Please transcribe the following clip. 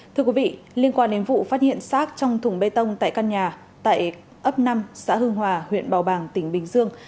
thưa quý vị liên quan đến vụ phát hiện xác trong thùng bê tông tại căn nhà tại ấp năm xã hương hòa huyện bào bàng tỉnh bình dương